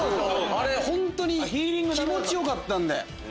あれ本当に気持ちよかったんで。